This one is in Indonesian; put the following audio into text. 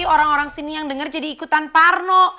orang orang sini yang denger jadi ikutan parno